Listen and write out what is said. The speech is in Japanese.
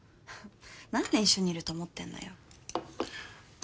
何年一緒にいると思ってんのよ。